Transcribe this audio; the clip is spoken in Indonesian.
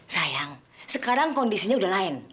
sayang sekarang kondisinya sudah lain